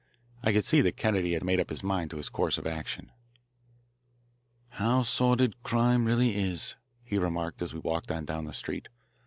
I could see that Kennedy had made up his mind as to his course of action. "How sordid crime really is," he remarked as we walked on down the street.